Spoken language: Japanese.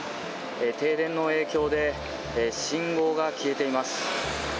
停電の影響で信号が消えています。